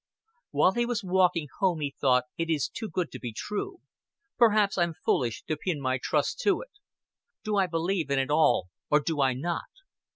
While he was walking home, he thought: "It is too good to be true. Perhaps I'm fullish to pin my trust to it. Do I believe in it all, or do I not?"